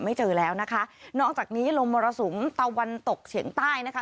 เจอแล้วนะคะนอกจากนี้ลมมรสุมตะวันตกเฉียงใต้นะคะ